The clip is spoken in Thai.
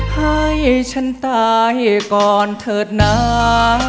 ให้ฉันตายก่อนเถิดหนา